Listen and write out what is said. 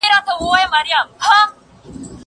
زه اوږده وخت د تکړښت لپاره ځم!؟